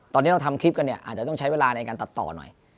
ตอนนี้เราทำคลิปกันเนี่ยอาจจะต้องใช้เวลาในการตัดต่อหน่อย